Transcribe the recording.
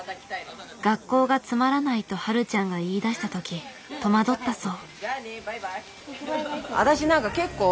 「学校がつまらない」とはるちゃんが言いだした時戸惑ったそう。